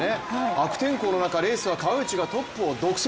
悪天候の中、レースは川内がトップを独走。